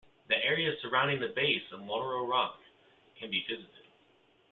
The area surrounding the base of Morro Rock can be visited.